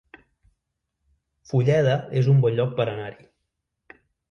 Fulleda es un bon lloc per anar-hi